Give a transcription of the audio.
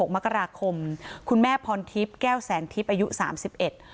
มกราคมคุณแม่พรทิพย์แก้วแสนทิพย์อายุสามสิบเอ็ด